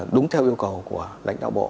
đúng theo yêu cầu của lãnh đạo bộ